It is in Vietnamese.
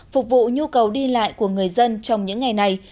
phục vụ nhu cầu đi lại của người dân trong những ngày này